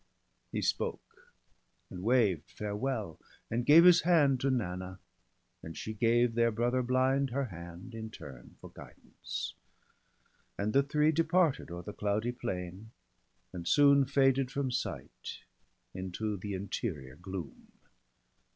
He spoke, and waved farewell, and gave his hand To Nanna; and she gave their brother blind Her hand, in turn, for guidance ; and the three Departed o'er the cloudy plain, and soon Faded from sight into the interior gloom.